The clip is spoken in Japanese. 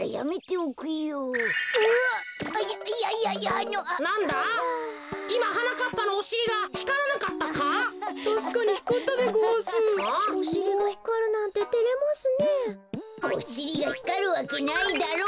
おしりがひかるわけないだろう。